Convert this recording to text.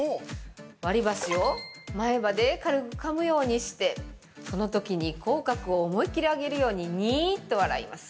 割り箸を前歯で軽くかむようにしてそのときに口角を思い切り上げるようにニーっと笑います。